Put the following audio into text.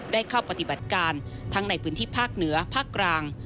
ได้เข้าปฏิบัติการทั้งในพื้นที่ภาคเหนือภาคกลาง